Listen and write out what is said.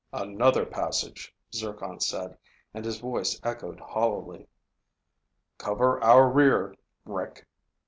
"Another passage," Zircon said, and his voice echoed hollowly. "Cover our rear, Rick."